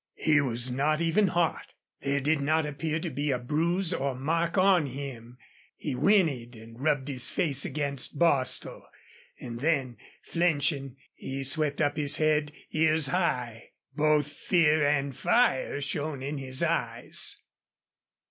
He was not even hot. There did not appear to be a bruise or mark on him. He whinnied and rubbed his face against Bostil, and then, flinching, he swept up his head, ears high. Both fear and fire shone in his eyes.